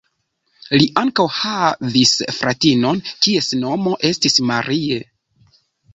Li ankaŭ havis fratinon kies nomo estis Marie.